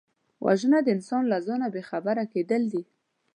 وژنه د انسان له ځانه بېخبره کېدل دي